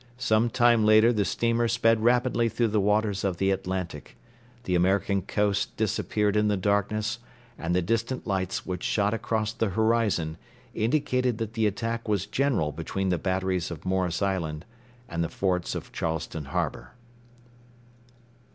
Some time later the steamer sped rapidly through the waters of the Atlantic; the American coast disappeared in the darkness, and the distant lights which shot across the horizon indicated that the attack was general between the batteries of Morris Island and the forts of Charleston Harbour.